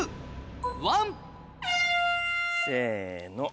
せの。